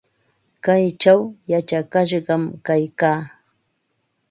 Kaychaw yachakashqam kaykaa.